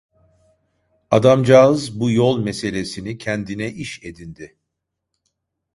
Adamcağız bu yol meselesini kendine iş edindi.